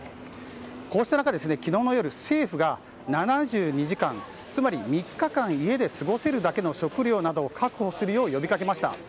こうした中、昨日の夜政府が７２時間つまり３日間家で過ごせるだけの食料などを確保するよう呼びかけました。